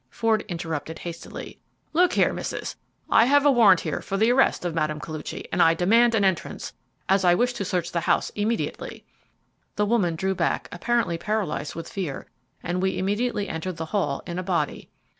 Ford interrupted hastily. "Look here, missus. I have a warrant here for the arrest of Mme. Koluchy, and I demand an entrance, as I wish to search the house immediately." The woman drew back, apparently paralyzed with fear, and we immediately entered the hall in a body.